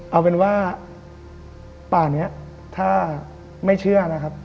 เอาเป็นว่าป่านี้ถ้าไม่เชื่อนะครับ